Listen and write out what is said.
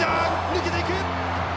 抜けていく！